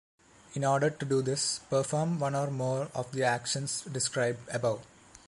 In order to do this, perform one or more of the actions described above.